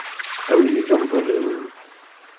Awi-iyi-d amḍelliw-iw.